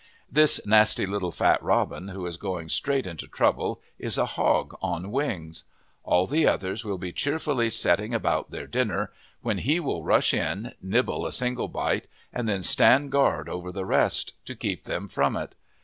This nasty little fat robin, who is going straight into trouble, is a hog on wings. All the others will be cheerfully setting about their dinner, when he will rush in, nibble a single bite and then stand guard over the rest, to keep them from it.